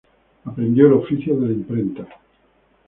Aprendió el oficio de la imprenta.